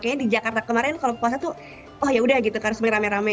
kayaknya di jakarta kemarin kalau puasa tuh oh yaudah gitu kan sebenarnya rame rame